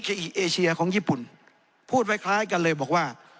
อิเอเชียของญี่ปุ่นพูดไว้คล้ายกันเลยบอกว่า